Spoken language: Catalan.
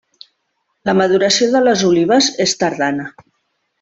La maduració de les olives és tardana.